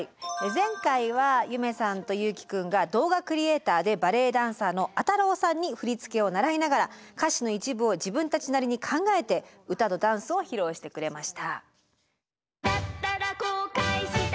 前回は夢さんと優樹くんが動画クリエーターでバレエダンサーのあたろーさんに振り付けを習いながら歌詞の一部を自分たちなりに考えて歌とダンスを披露してくれました。